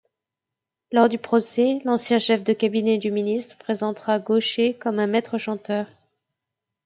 Lors du procès, l'ancien chef de cabinet du ministre présentera Gaucher comme un maître-chanteur.